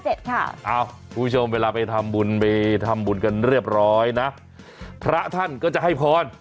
คุณผู้ชมเวลาไปทำบุญไปทำบุญกันเรียบร้อยนะพระท่านก็จะให้พร